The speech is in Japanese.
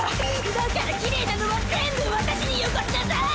だからきれいなのは全部私によこしなさい！